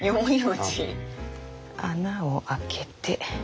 穴を開けて。